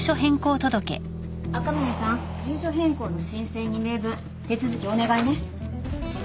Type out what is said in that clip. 赤嶺さん住所変更の申請２名分手続きお願いね